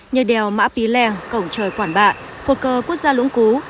như đèo mã pí lè cổng trời quản bạ phột cơ quốc gia lũng cú